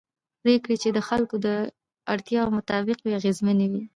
پرېکړې چې د خلکو د اړتیاوو مطابق وي اغېزمنې وي